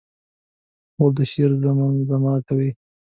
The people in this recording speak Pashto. خور د شعر زمزمه کوي.